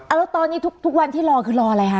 แล้วตอนนี้ทุกวันที่รอคือรออะไรคะ